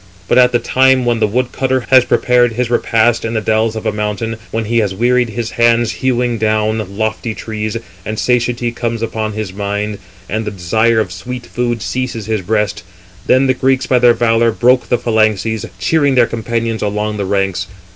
But at the time when the wood cutter 366 has prepared his repast in the dells of a mountain, when he has wearied his hands hewing down lofty trees, and satiety comes upon his mind, and the desire of sweet food seizes his breast; then the Greeks, by their valour, broke the phalanxes, cheering their companions along the ranks.